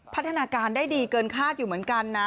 พัฒนาการได้ดีเกินคาดอยู่เหมือนกันนะ